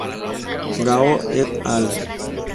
Gao et al.